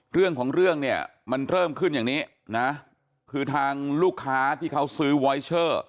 เรื่องของเรื่องเนี่ยมันเริ่มขึ้นอย่างนี้นะคือทางลูกค้าที่เขาซื้อวอยเชอร์